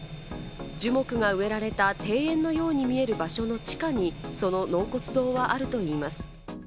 樹木が植えられた庭園のように見える場所の地下にその納骨堂はあるといいます。